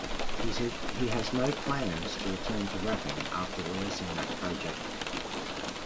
He said he has no plans to return to rapping after releasing that project.